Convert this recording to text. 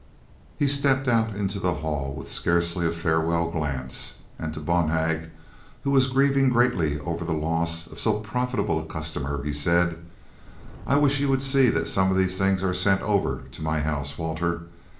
He stepped out into the hall, with scarcely a farewell glance, and to Bonhag, who was grieving greatly over the loss of so profitable a customer, he said: "I wish you would see that some of these things are sent over to my house, Walter.